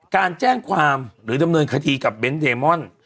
การแจ้งความหรือดำเนินคดีกับเบนท์เดมอน